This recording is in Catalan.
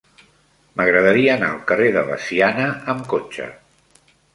M'agradaria anar al carrer de Veciana amb cotxe.